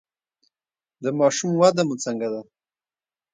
د ماشوم وده مو څنګه ده؟